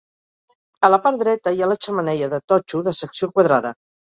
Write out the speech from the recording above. A la part dreta hi ha la xemeneia de totxo de secció quadrada.